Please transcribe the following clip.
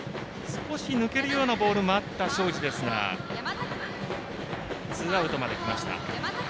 少し抜けるようなボールもあった庄司ですがツーアウトまできました。